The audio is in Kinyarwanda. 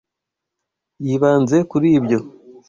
Yibanze kuri ibyo.